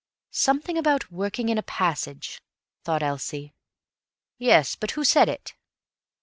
Something about working in a passage, thought Elsie. "Yes, but who said it?"